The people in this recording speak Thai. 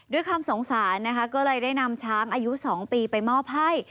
ด้วยความสงสารนะคะก็เลยได้นำช้างอายุ๒ปีไปมอบให้